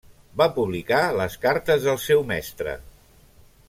Va publicar les cartes del seu mestre.